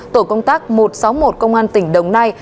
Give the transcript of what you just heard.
tổ công tác một trăm sáu mươi một công an tỉnh đồng nai